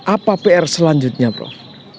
apa pr selanjutnya prof